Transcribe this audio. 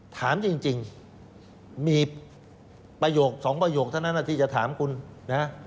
ถามจริงมีประโยคสองประโยคเท่านั้นที่จะถามคุณนะ